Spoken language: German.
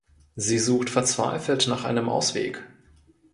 Sie sucht verzweifelt nach einem Ausweg.